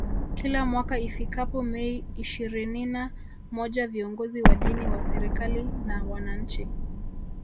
Kila mwaka ifikapo Mei ishirinina moja viongozi wa dini wa serikali na wananchi